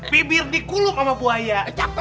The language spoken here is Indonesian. bibir dikuluk sama buaya